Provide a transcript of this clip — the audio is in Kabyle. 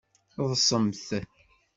Ḍsemt!